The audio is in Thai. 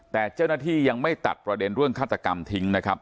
แต่เจ้าหน้าที่ยังไม่ตัดประเด็นเรื่องฆาตกรรมทิ้งนะครับ